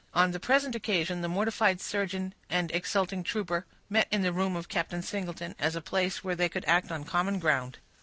On the present occasion, the mortified surgeon and exulting trooper met in the room of Captain Singleton, as a place where they could act on common ground.